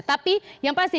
tapi yang pasti